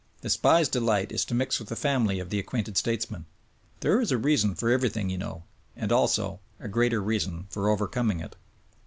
The SPIES' delight is to mix with the family of the acquainted statesman. There is a reason for everything, yoii know ; and also, a greater reason for overcoming it.